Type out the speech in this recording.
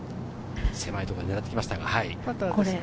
狭いところを狙ってきました。